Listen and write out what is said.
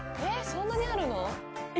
そんなにあるの？